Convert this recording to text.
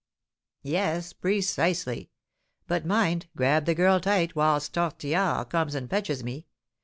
"Yes, precisely. But mind, grab the girl tight whilst Tortillard comes and fetches me.